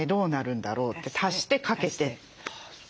足してかけて。